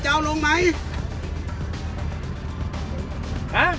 ขอเชิญลุงนี้ดีกว่าไม่ยอมลงรถ